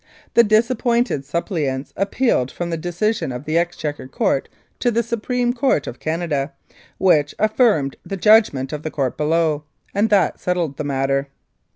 The disappointed suppliants appealed from the decision of the Exchequer Court to the Supreme Court of Canada, which affirmed the judgment of the Court below, and that settled the matter.